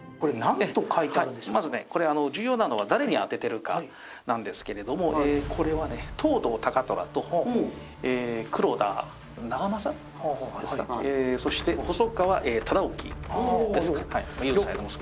まずねこれ重要なのは誰に宛ててるかなんですけれどもこれは藤堂高虎と黒田長政ですかそして細川忠興ですか。